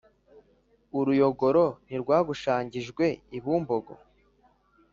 uruyogoro ntirwagushangijwe i bumbogo: